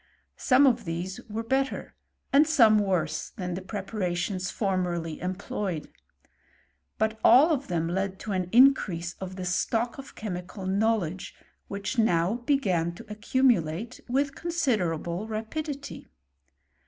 Some of these wen| and some worse, than the preparations fomMj ployed ; but all of them led to an increaie stock of chemical knowledge, which now tn accumulate with considerable rapidity.